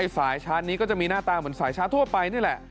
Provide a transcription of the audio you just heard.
สายชาร์จนี้ก็จะมีหน้าตาเหมือนสายชาร์จทั่วไปนี่แหละ